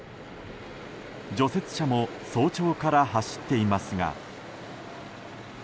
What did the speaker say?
除雪車も早朝から走っていますが。